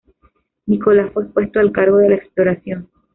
Nicolás fue puesto al cargo de la exploración.